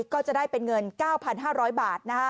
ก็จะได้เป็นเงิน๙๕๐๐บาท